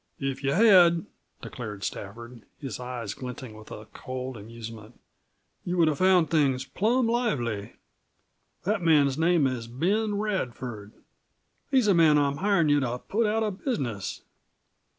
"If you had," declared Stafford, his eyes glinting with a cold amusement, "you would have found things plum lively. The man's name is Ben Radford. He's the man I'm hirin' you to put out of business!"